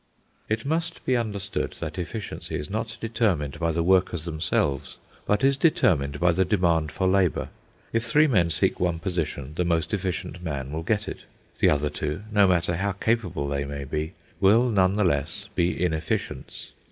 It must be understood that efficiency is not determined by the workers themselves, but is determined by the demand for labour. If three men seek one position, the most efficient man will get it. The other two, no matter how capable they may be, will none the less be inefficients.